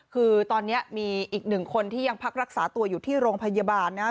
คือตอนนี้มีอีกหนึ่งคนที่ยังพักรักษาตัวอยู่ที่โรงพยาบาลนะครับ